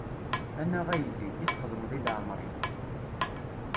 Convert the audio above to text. A naɣ a yelli, i txedmeḍ i leɛmer-im.